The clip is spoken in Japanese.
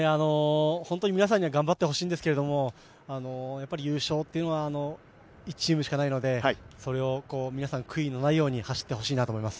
皆さんには頑張ってほしいんですけど、優勝というのは１チームしかないので、皆さん悔いのないように走ってほしいなと思います。